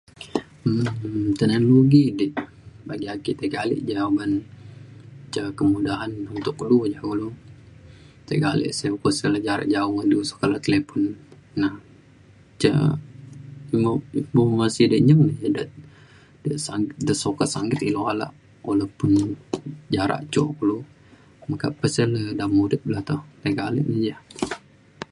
um teknologi di bagi ake tiga ale ja uban ca kemudahan untuk kulu ja kulu tiga ale sek ukok sek ja ngan du sukat le talipon na ja mo- bung masih de nyeng de ida de sa- sukat sanggit ilu ala walaupun jarak jok kulo meka pe sin ida mudip le toh. Tiga ale ne ja.